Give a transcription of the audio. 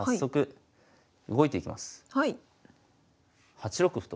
８六歩と。